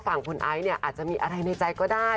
ฝั่งคุณไอซ์เนี่ยอาจจะมีอะไรในใจก็ได้